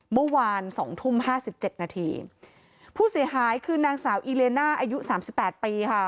เมื่อวานสองทุ่มห้าสิบเจ็ดนาทีผู้เสียหายคือนางสาวอีเลน่าอายุสามสิบแปดปีค่ะ